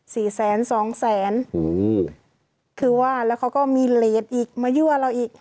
๔แสน๒แสนคือว่าแล้วเขาก็มีเลสอีกมายั่วเราอีก